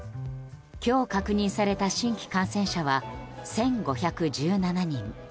今日確認された新規感染者は１５１７人。